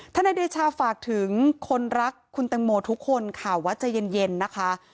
นายเดชาฝากถึงคนรักคุณแตงโมทุกคนค่ะว่าใจเย็นนะคะ